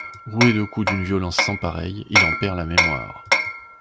Roué de coups d'une violence sans pareille, il en perd la mémoire.